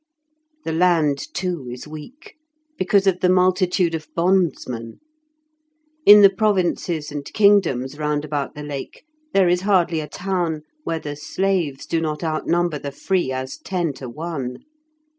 The land, too, is weak, because of the multitude of bondsmen. In the provinces and kingdoms round about the Lake there is hardly a town where the slaves do not outnumber the free as ten to one.